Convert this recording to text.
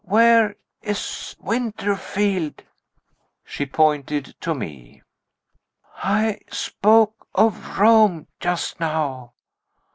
Where is Winterfield?" She pointed to me. "I spoke of Rome just now.